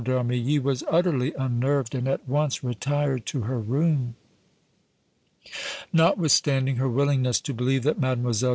d' Armilly was utterly unnerved and at once retired to her room. Notwithstanding her willingness to believe that Mlle.